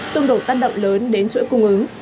trung độ tăng động lớn đến chuỗi cung ứng